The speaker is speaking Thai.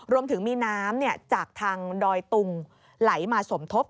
รวมถึงมีน้ำจากทางดอยตุงไหลมาสมทบ